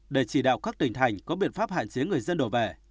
để chỉ đạo các tỉnh thành có biện pháp hạn chế người dân đổ về